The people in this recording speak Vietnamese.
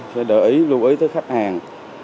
sẽ đợi ý lưu ý tới khách hàng